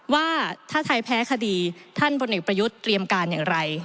ว่าถ้าไทยแพ้คดีท่านพลเอกประยุทธ์เตรียมการอย่างไร